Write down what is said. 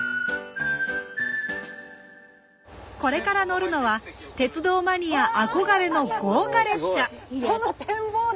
これから乗るのは鉄道マニア憧れの豪華列車その展望